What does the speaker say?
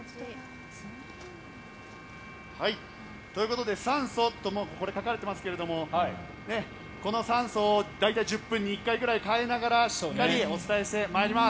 ということで酸素と書かれてますけどもこの酸素を大体１０分に１回ぐらい替えながらしっかりお伝えしてまいります。